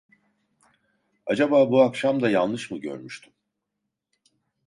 Acaba bu akşam da yanlış mı görmüştüm?